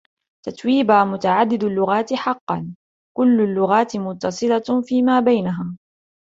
تتويبا متعدد اللغات حقًّا. كل اللغات متصلة فيما بينها.